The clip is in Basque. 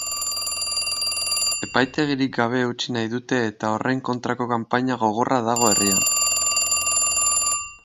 Epaitegirik gabe utzi nahi dute eta horren kontrako kanpaina gogorra dago herrian.